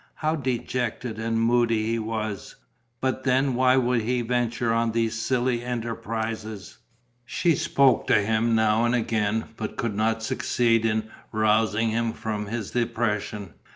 How dejected and moody he was! But then why would he venture on those silly enterprises?... She spoke to him now and again, but could not succeed in rousing him from his depression.